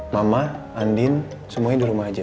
mama andin semuanya di rumah aja